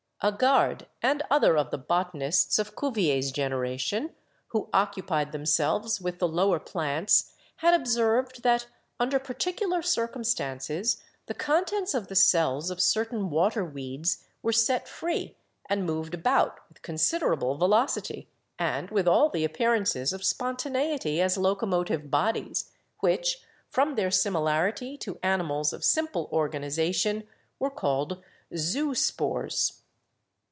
Agardh and other of the botanists of Cuvier's generation who occupied themselves with the lower plants had ob served that, under particular circumstances, the contents of the cells of certain water weeds were set free and moved about with considerable velocity and with all the appear ances of spontaneity as locomotive bodies, which, from their similarity to animals of simple organization, were called 'zoospores.'